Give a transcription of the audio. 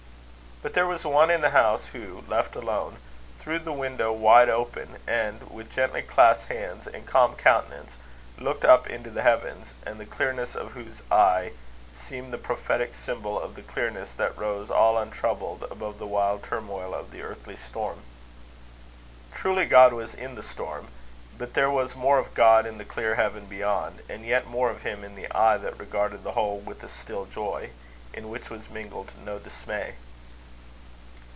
But there was one in the house who, left alone, threw the window wide open; and, with gently clasped hands and calm countenance, looked up into the heavens; and the clearness of whose eye seemed the prophetic symbol of the clearness that rose all untroubled above the turmoil of the earthly storm. Truly God was in the storm; but there was more of God in the clear heaven beyond; and yet more of Him in the eye that regarded the whole with a still joy, in which was mingled no dismay.